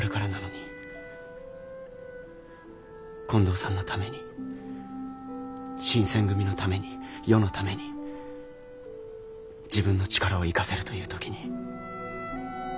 近藤さんのために新選組のために世のために自分の力を生かせるという時に。